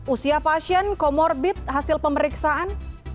usia pasien comorbid hasil pemeriksaan